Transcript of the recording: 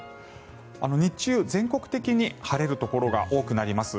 日中、全国的に晴れるところが多くなります。